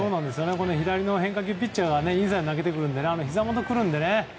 左の変化球ピッチャーはインサイドへ投げてくるとひざもとにくるのでね。